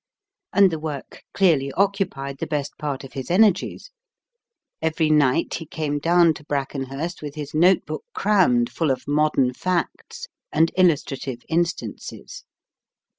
And the work clearly occupied the best part of his energies. Every night he came down to Brackenhurst with his notebook crammed full of modern facts and illustrative instances.